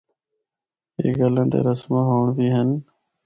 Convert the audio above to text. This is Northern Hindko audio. اے گلاں تے رسماں ہونڑ وی ہن۔